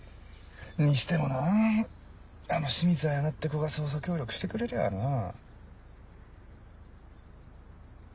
にしてもなあの清水彩菜って子が捜査協力してくれりゃあなぁ。